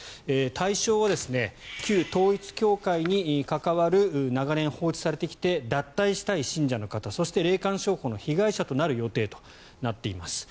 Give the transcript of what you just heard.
対象は旧統一教会に関わる長年放置されてきて脱退したい信者の方そして霊感商法の被害者となる予定となっています。